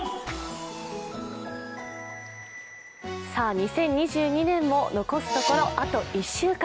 ２０２２年も残すところあと１週間。